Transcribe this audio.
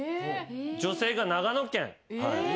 女性が長野県。